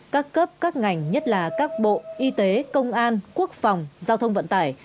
các cấp các ngành nhất là các bộ y tế công an quốc phòng giao thông vận tải